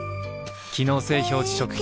機能性表示食品